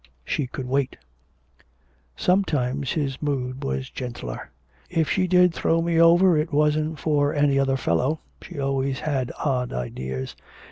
She could wait. Sometimes his mood was gentler. 'If she did throw me over it wasn't for any other fellow, she always had odd ideas.